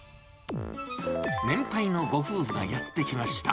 年配のご夫婦がやって来ました。